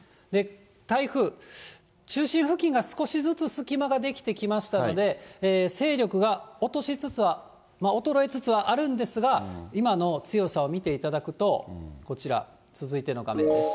台風、中心付近が少しずつ隙間が出来てきましたので、勢力が落としつつは、衰えつつはあるんですが、今の強さを見ていただくと、こちら、続いての画面です。